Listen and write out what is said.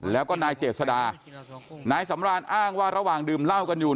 แล้วก็นายเจษดานายสำรานอ้างว่าระหว่างดื่มเหล้ากันอยู่